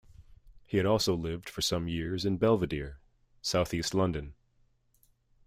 He had also lived for some years in Belvedere, South East London.